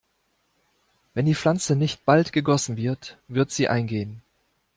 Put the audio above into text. Wenn die Pflanze nicht bald gegossen wird, wird sie eingehen.